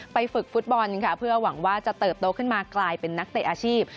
ฝึกฟุตบอลค่ะเพื่อหวังว่าจะเติบโตขึ้นมากลายเป็นนักเตะอาชีพ